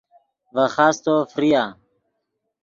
ڤے خاستو ڤریا